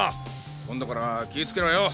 今度から気ぃつけろよ！